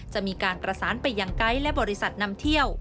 จะมีการประสานไปยังไกด์และบริษัทนำเที่ยว